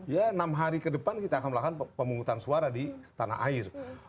ya enam hari ke depan kita akan melakukan pemungutan suara di tanah air